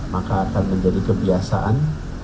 maka akan menjadi kebiasaan